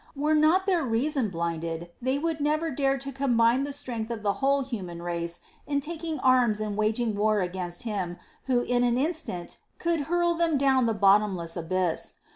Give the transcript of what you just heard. Were not their reason blinded they would never dare to combine the strength of the whole human race in taking arms and waging war against Him Who in an instant could hurl them down the bottomless abyss.